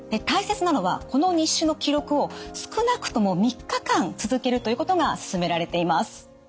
大切なのはこの日誌の記録を少なくとも３日間続けるということが勧められています。